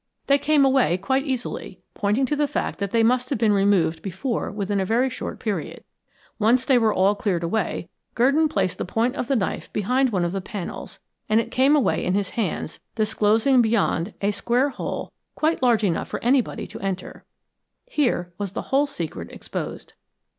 They came away quite easily, pointing to the fact that they must have been removed before within a very short period. Once they were all cleared away, Gurdon placed the point of the knife behind one of the panels, and it came away in his hands, disclosing beyond a square hole quite large enough for anybody to enter. Here was the whole secret exposed.